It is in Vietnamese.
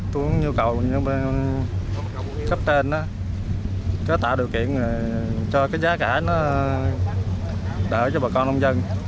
tôi có nhu cầu các cấp trên đó cứ tạo điều kiện cho cái giá cả nó đỡ cho bà con nông dân